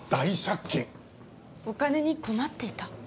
お金に困っていた？